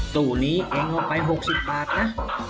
ตู้นี้เองเอาไป๖๐บาทนะ